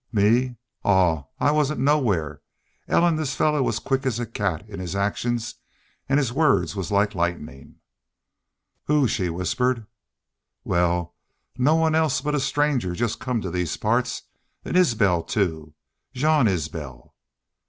"Me? Aw, I wasn't nowhere. Ellen, this fellar was quick as a cat in his actions an' his words was like lightnin'.' "Who? she whispered. "Wal, no one else but a stranger jest come to these parts an Isbel, too. Jean Isbel."